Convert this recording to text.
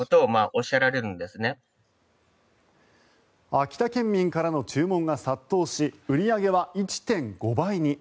秋田県民からの注文が殺到し売り上げは１．５倍に。